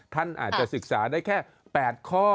ท่านอาจจะศึกษาได้แค่๘ข้อ